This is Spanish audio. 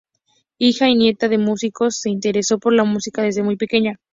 Hija y nieta de músicos, se interesó por la música desde muy pequeña.